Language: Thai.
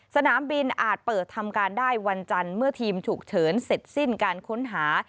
สนามบินอาจเปิดทำการได้วันจันทร์เมื่อทีมฉุกเฉินเสร็จสิ้นการค้นหา